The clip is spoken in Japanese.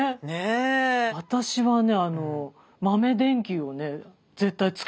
私はね